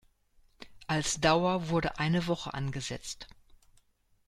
Als Dauer wurde eine Woche angesetzt.